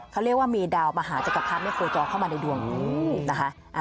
เขาเรียกว่ามีดาวมหาจักรพรรไม่เคยจอเข้ามาในดวงนี้นะคะ